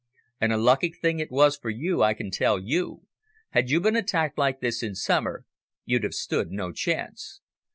And a lucky thing it was for you, I can tell you. Had you been attacked like this in summer, you'd have stood no chance."